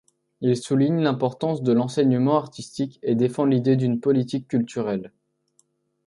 Il souligne l’importance de l’enseignement artistique et défend l’idée d’une politique culturelle.